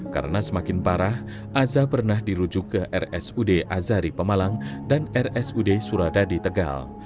karena semakin parah aza pernah dirujuk ke rsud azari pemalang dan rsud suradadi tegal